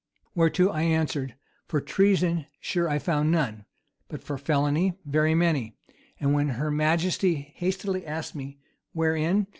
Whereto I answered, For treason, sure I found none; but for felony, very many: and when her majesty hastily asked me, Wherein?